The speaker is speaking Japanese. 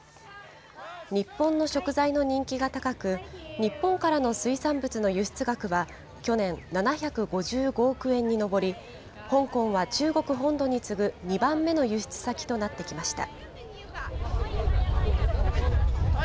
日本の食材の人気が高く、日本からの水産物の輸出額は去年、７５５億円に上り、香港は中国本土に次ぐ２番目の輸出先となってきました。